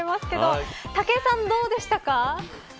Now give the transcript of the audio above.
武井さん、どうでしたか。